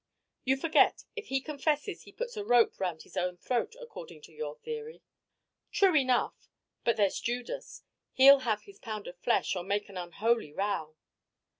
"You forget. If he confesses he puts a rope round his own throat according to your theory." "True enough. But there's Judas. He'll have his pound of flesh, or make an unholy row."